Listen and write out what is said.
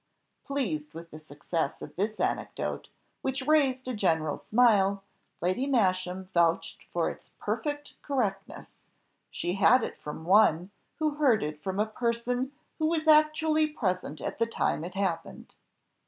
'" Pleased with the success of this anecdote, which raised a general smile, Lady Masham vouched for its perfect correctness, "she had it from one, who heard it from a person who was actually present at the time it happened."